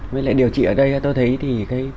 với lại điều trị ở đây tôi thấy thì